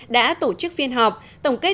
đã tổ chức phiên họp tổng kết